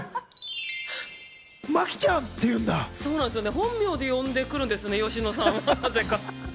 本名で呼んでくるんです、佳乃さんはなぜか。